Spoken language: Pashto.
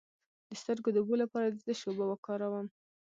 د سترګو د اوبو لپاره د څه شي اوبه وکاروم؟